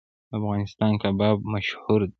د افغانستان کباب مشهور دی